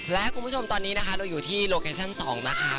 และคุณผู้ชมตอนนี้นะคะเราอยู่ที่โลเคชั่น๒นะคะ